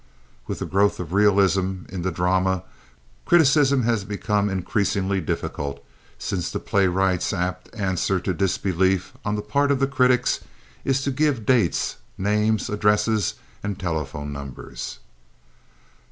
With the growth of realism in the drama, criticism has become increasingly difficult, since the playwright's apt answer to disbelief on the part of the critics is to give dates, names, addresses and telephone numbers.